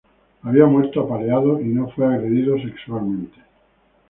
Había muerto apaleado y no fue agredido sexualmente.